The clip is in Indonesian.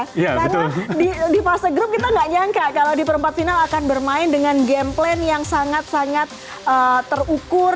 karena di fase grup kita tidak menyangka kalau di perempat final akan bermain dengan game plan yang sangat sangat terukur